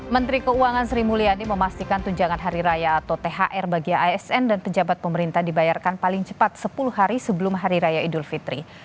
menteri keuangan sri mulyani memastikan tunjangan hari raya atau thr bagi asn dan pejabat pemerintah dibayarkan paling cepat sepuluh hari sebelum hari raya idul fitri